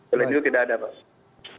kalau itu tidak ada pak